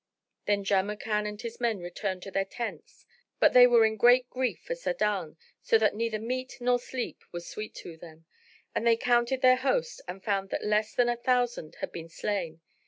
Then Jamrkan and his men returned to their tents; but they were in great grief for Sa'adan, so that neither meat nor sleep was sweet to them, and they counted their host and found that less than a thousand had been slain.